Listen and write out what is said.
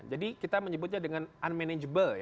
jadi kita menyebutnya dengan unmanageable